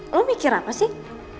loh mikir apa sih